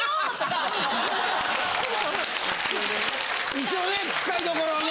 一応ね使いどころをね。